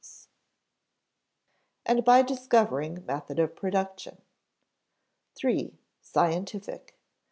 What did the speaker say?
[Sidenote: and by discovering method of production] 3. Scientific.